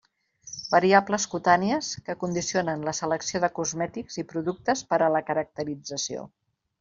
Variables cutànies que condicionen la selecció de cosmètics i productes per a la caracterització.